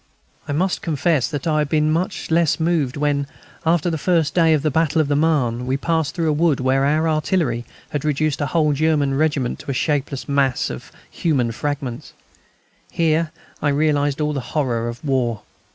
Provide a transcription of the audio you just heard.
I must confess that I had been much less moved when, after the first day of the Battle of the Marne, we passed through a wood where our artillery had reduced a whole German regiment to a shapeless mass of human fragments. Here I realised all the horror of war.